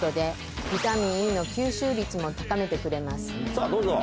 さぁどうぞ。